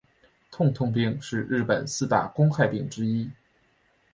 痛痛病是日本四大公害病之一。